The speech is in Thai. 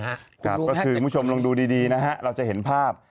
ก็คือคุณผู้ชมลองดูดีนะฮะเราจะเห็นภาพ